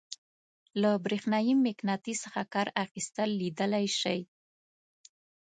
له برېښنايي مقناطیس څخه کار اخیستل لیدلی شئ.